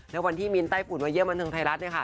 แล้ววันที่มินไต้ฝุ่นมาเยี่ยมบันเทิงไทยรัฐ